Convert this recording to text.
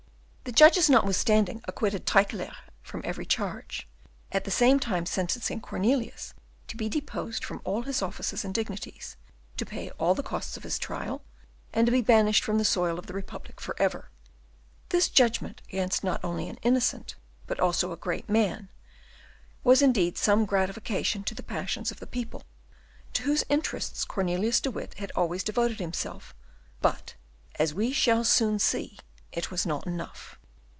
The judges, notwithstanding, acquitted Tyckelaer from every charge; at the same time sentencing Cornelius to be deposed from all his offices and dignities; to pay all the costs of the trial; and to be banished from the soil of the Republic for ever. This judgment against not only an innocent, but also a great man, was indeed some gratification to the passions of the people, to whose interests Cornelius de Witt had always devoted himself: but, as we shall soon see, it was not enough.